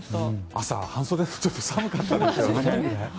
朝、半袖ではちょっと寒かったですよね。